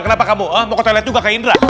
kenapa kamu mau toilet juga kak indra